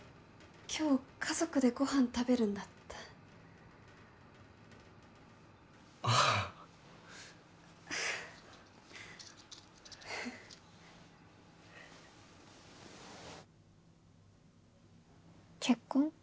今日家族でご飯食べるんだったああ結婚？